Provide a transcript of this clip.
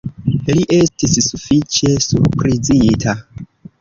Li estis sufiĉe surprizita.